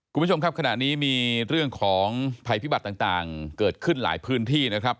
คุณผู้ชมครับขณะนี้มีเรื่องของภัยพิบัติต่างเกิดขึ้นหลายพื้นที่นะครับ